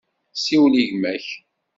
Siwel i gma-k.